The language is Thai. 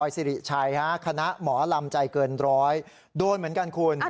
สิริชัยฮะคณะหมอลำใจเกินร้อยโดนเหมือนกันคุณ